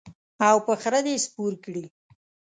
او په خره دې سپور کړي.